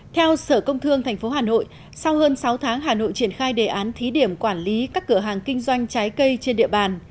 theo sở công thương tp hà nội sau hơn sáu tháng hà nội triển khai đề án thí điểm quản lý các cửa hàng kinh doanh trái cây trên địa bàn